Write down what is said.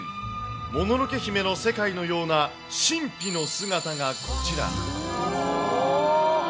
もののけ姫の世界のような神秘の姿がこちら。